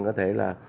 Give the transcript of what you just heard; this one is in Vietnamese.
có thể là